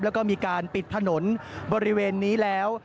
แล้วก็มีการปิดถนนบริเวณนี้แล้ว